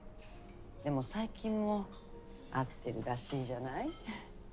でも最近も会ってるらしいじゃない？